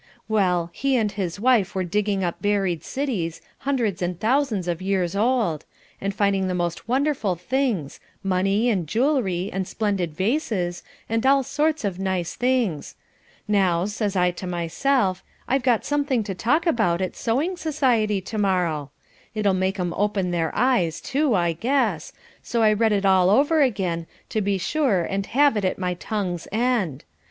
Well, he and his wife are digging up buried cities, hundreds and thousands of years old and finding the most wonderful things, money, and jewellery, and splendid vases, and all sorts of nice things. Now, says I to myself, I've got something to talk about at sewing society to morrow. It'll make 'em open their eyes, too, I guess, so I read it all over again, to be sure and have it at my tongue's end.